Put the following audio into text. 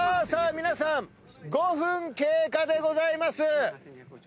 皆さん５分経過でございます。